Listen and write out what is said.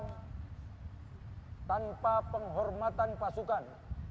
hai tanpa penghormatan pasukan